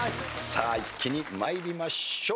一気に参りましょう。